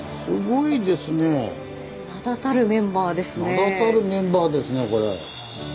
名だたるメンバーですねこれ。